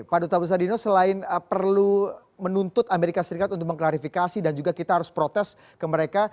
pak duta besar dino selain perlu menuntut amerika serikat untuk mengklarifikasi dan juga kita harus protes ke mereka